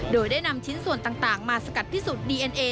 โดยได้นำชิ้นส่วนต่างมาสกัดพิสูจน์ดีเอ็นเอ